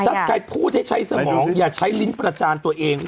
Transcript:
ถ้าใครพูดให้ใช้สมองอย่าใช้ลิ้นประจานตัวเอง